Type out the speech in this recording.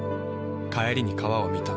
帰りに川を見た。